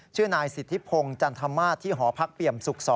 ชื่อนายสิทธิพงศ์จันทมาสที่หอพักเปี่ยมศุกร์๒